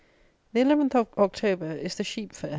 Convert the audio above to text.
The 11th of October is the Sheep fair.